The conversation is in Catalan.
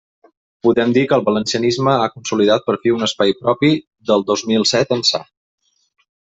Podem dir que el valencianisme ha consolidat per fi un espai propi del dos mil set ençà.